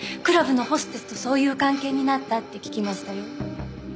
クラブのホステスとそういう関係になったって聞きましたよ。